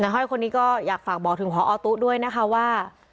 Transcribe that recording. ห้อยคนนี้ก็อยากฝากบอกถึงพอตุ๊ด้วยนะคะว่า